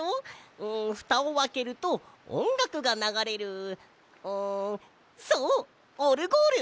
うんふたをあけるとおんがくがながれるうんそうオルゴール！